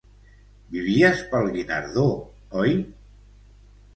Vivies pel Guinardó, oi?